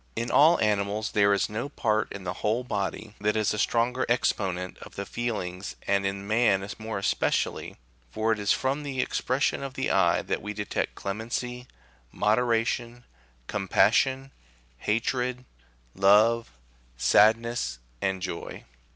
In all animals there is no part in the whole body that is a stronger exponent of the feelings, and in man more especially, for it is from the expression of the eye that we detect clemency, moderation, compassion, hatred, love, sadness, and joy.